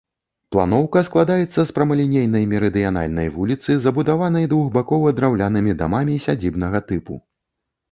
Планоўка складаецца з прамалінейнай мерыдыянальнай вуліцы, забудаванай двухбакова драўлянымі дамамі сядзібнага тыпу.